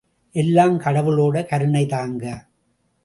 எல்லாம் கடவுளோட கருணைதாங்க!